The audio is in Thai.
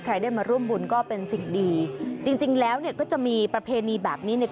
ได้มาร่วมบุญก็เป็นสิ่งดีจริงจริงแล้วเนี่ยก็จะมีประเพณีแบบนี้เนี่ย